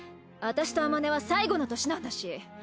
私とあまねは最後の年なんだし。